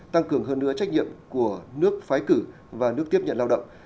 tăng cường hơn nữa trách nhiệm của nước phái cử và nước tiếp nhận lao động